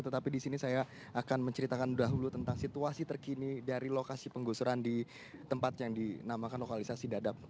tetapi di sini saya akan menceritakan dahulu tentang situasi terkini dari lokasi penggusuran di tempat yang dinamakan lokalisasi dadap